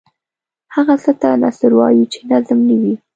هغه څه ته نثر وايو چې نظم نه وي.